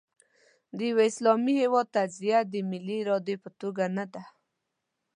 د یوه اسلامي هېواد تجزیه د ملي ارادې په توګه نه ده.